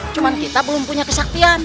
cuma kita belum punya kesaktian